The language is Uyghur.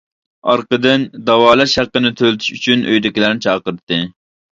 ئارقىدىن داۋالاش ھەققىنى تۆلىتىش ئۈچۈن ئۆيدىكىلەرنى چاقىرتتى.